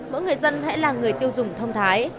mỗi người dân hãy là người tiêu dùng thông thái